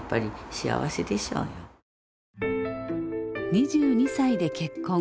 ２２歳で結婚。